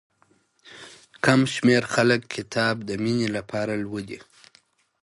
کم شمېر خلک کتاب د مينې لپاره لولي.